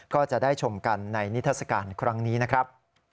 ก็จะได้ชมกันในนิทัศกาลครั้งนี้นะครับ